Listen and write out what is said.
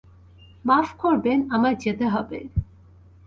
মাফ করবেন, আমায় যেতে হবে।